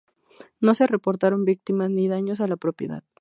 No se reportaron víctimas ni daños a la propiedad.